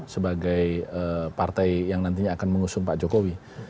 sebagai partai yang nantinya akan mengusung pak jokowi